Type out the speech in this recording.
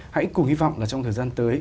hãy cùng hy vọng là trong thời gian tới